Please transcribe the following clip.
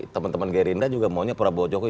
teman teman gerindra juga maunya prabowo jokowi